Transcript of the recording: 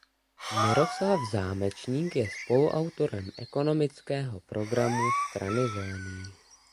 Miroslav Zámečník je spoluautorem ekonomického programu Strany zelených.